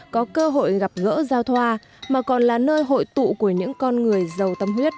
có cơ hội gặp gỡ giao thoa mà còn là nơi hội tụ của những con người giàu tâm huyết